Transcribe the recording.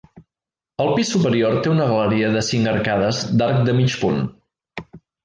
El pis superior té una galeria de cinc arcades d'arc de mig punt.